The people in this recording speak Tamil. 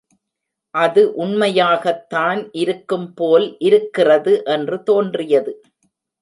அது உண்மையாகத்தான் இருக்கும் போல் இருக்கிறது என்று தோன்றியது.